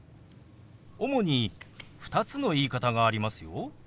主に２つの言い方がありますよ。